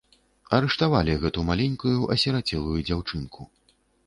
Арыштавалі гэту маленькую асірацелую дзяўчынку.